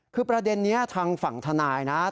คือประเด็นนี้ทางฝั่งทนายนะครับ